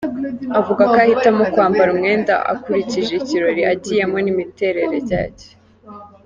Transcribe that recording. Avuga ko ahitamo kwambara umwenda akurikije ikirori agiyemo n’imiterere yacyo.